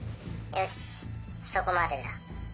よしそこまでだ。